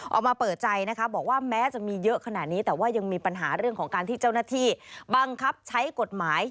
ออกมาเปิดใจนะคะบอกว่าแม้จะมีเยอะขนาดนี้แต่ว่ายังมีปัญหาเรื่องของการที่เจ้าหน้าที่บังคับใช้กฎหมาย